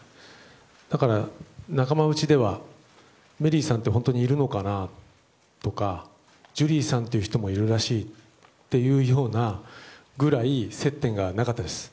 だから、仲間内ではメリーさんって本当にいるのかな？とかジュリーさんという人もいるらしいというくらい接点がなかったです。